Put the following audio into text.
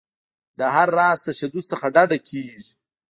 له هر راز تشدد څخه ډډه کیږي.